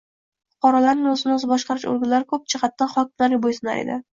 fuqarolarni o‘zini-o‘zi boshqarish organlari ko‘p jihatdan hokimlarga bo'ysunar edi.